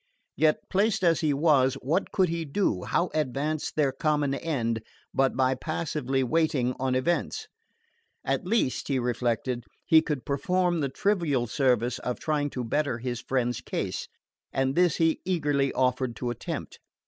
Yet placed as he was, what could he do, how advance their common end, but by passively waiting on events? At least, he reflected, he could perform the trivial service of trying to better his friend's case; and this he eagerly offered to attempt.